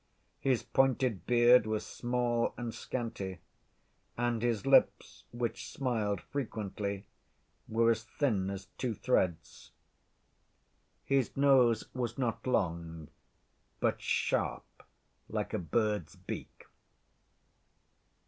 His pointed beard was small and scanty, and his lips, which smiled frequently, were as thin as two threads. His nose was not long, but sharp, like a bird's beak.